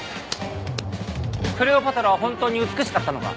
クレオパトラはホントに美しかったのか？